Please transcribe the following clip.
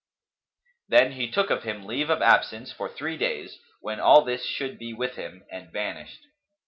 "[FN#271] Then he took of him leave of absence for three days, when all this should be with him, and vanished.